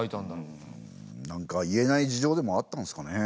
なんか言えない事情でもあったんすかね？